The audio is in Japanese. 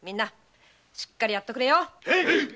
しっかりやっとくれ。